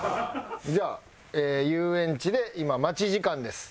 じゃあ遊園地で今待ち時間です。